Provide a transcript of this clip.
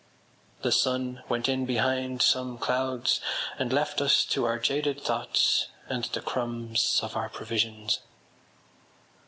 The sun went in behind some clouds and left us to our jaded thoughts and the crumbs of our provisions.